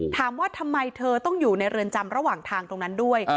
ถามว่าทำไมเธอต้องอยู่ในเรือนจำระหว่างทางตรงนั้นด้วย